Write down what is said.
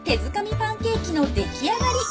パンケーキの出来上がり！